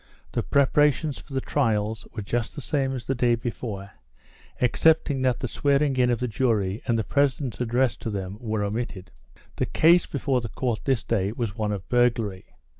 The preparations for the trials were just the same as the day before, excepting that the swearing in of the jury and the president's address to them were omitted. The case before the Court this day was one of burglary.